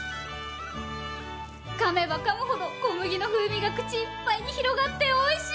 かめばかむほど小麦の風味が口いっぱいに広がって美味しい！